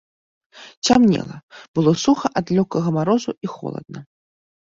Цямнела, было суха ад лёгкага марозу і холадна.